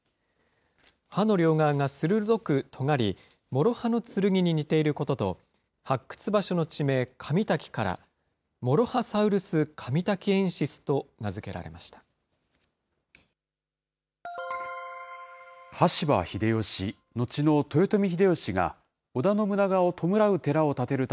歯の両側が鋭くとがり、もろ刃の剣に似ていることと、発掘場所の地名、上滝から、モロハサウルス・カミタキエンシスと名付けられました。